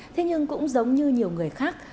thế nhưng cũng giống như nhiều người khác